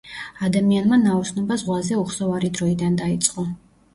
ადამიანმა ნაოსნობა ზღვაზე უხსოვარი დროიდან დაიწყო.